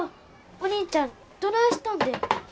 お兄ちゃんどないしたんで？